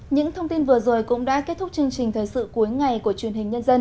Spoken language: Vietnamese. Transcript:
những thông tin vừa rồi cũng đã kết thúc chương trình thời sự cuối ngày của truyền hình